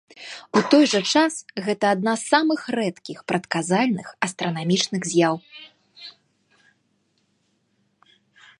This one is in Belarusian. У той жа час, гэта адна з самых рэдкіх прадказальных астранамічных з'яў.